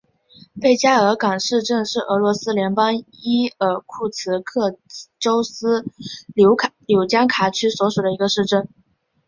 贝加尔港市镇是俄罗斯联邦伊尔库茨克州斯柳江卡区所属的一个市镇。